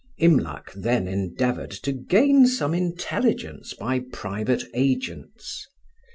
Imlac then endeavoured to gain some intelligence by private agents.